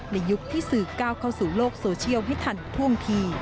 ยุคที่สื่อก้าวเข้าสู่โลกโซเชียลให้ทันท่วงที